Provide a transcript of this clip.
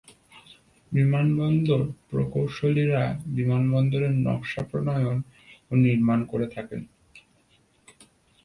বিমানবন্দর প্রকৌশলীরা বিমানবন্দরের নকশা প্রণয়ন ও নির্মাণ করে থাকেন।